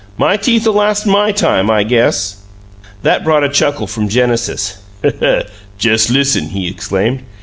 "My teeth 'll last MY time, I guess." That brought a chuckle from Mr. Genesis. "Jes' listen!" he exclaimed.